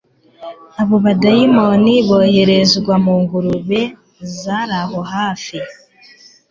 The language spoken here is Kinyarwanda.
abo badayimoni boherezwa mungurube z’araho hafi